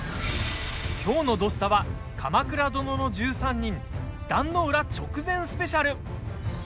きょうの「土スタ」は「鎌倉殿の１３人」壇ノ浦直前スペシャル！